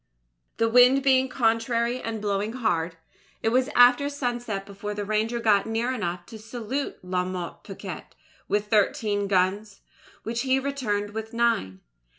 "The wind being contrary and blowing hard, it was after sunset before the Ranger got near enough to salute La Motte Picquet with thirteen guns, which he returned with nine.